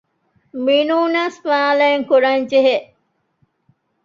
މިނޫނަސް މާލެއިން ކުރަންޖެހޭ